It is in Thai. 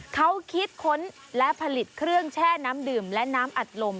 เขาคิดค้นและผลิตเครื่องแช่น้ำดื่มและน้ำอัดลม